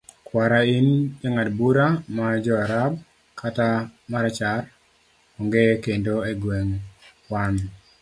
kwara in, jang'ad bura ma joarab kata marachar onge kendo e gweng',wan